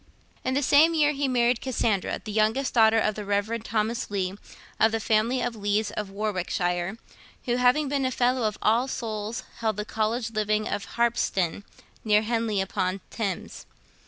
In the same year he married Cassandra, youngest daughter of the Rev. Thomas Leigh, of the family of Leighs of Warwickshire, who, having been a fellow of All Souls, held the College living of Harpsden, near Henley upon Thames.